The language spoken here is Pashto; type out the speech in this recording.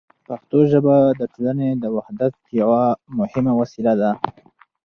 پښتو ژبه د ټولنې د وحدت یوه مهمه وسیله ده.